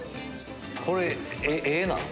これ絵なん？